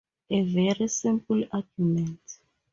A very simple argument.